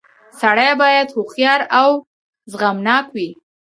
• سړی باید هوښیار او زغمناک وي.